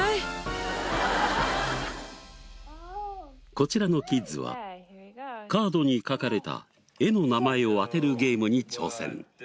こちらのキッズはカードに描かれた絵の名前を当てるゲームに挑戦。